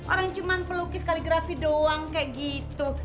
orang cuma pelukis kaligrafi doang kayak gitu